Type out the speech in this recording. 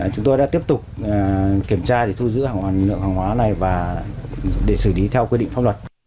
chúng tôi đã tiếp tục kiểm tra để thu giữ hàng hoạt này và để xử lý theo quyết định phong luật